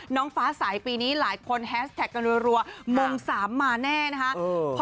น้องฟ้าสายปีนี้หลายคนแฮสแท็กกันรัวมงสามมาแน่นะคะ